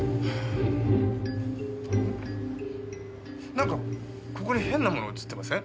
なんかここに変なもの写ってません？